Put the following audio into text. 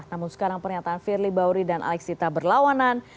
namun sekarang pernyataan firly bahuri dan alex tirta berlawanan